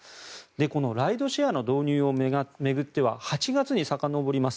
このライドシェアの導入を巡っては８月にさかのぼります。